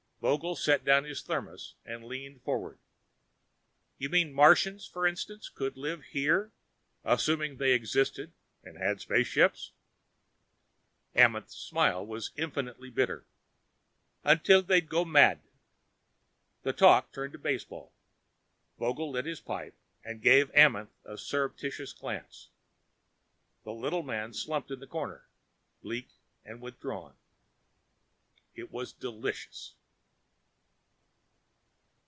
Vogel set down his thermos and leaned forward. "You mean Martians, for instance, could live here, assuming they existed and had spaceships?" Amenth's smile was infinitely bitter. "Until they'd go mad." The talk turned to baseball. Vogel lit his pipe and gave Amenth a surreptitious glance. The little man slumped in the corner, bleak and withdrawn. This was delicious.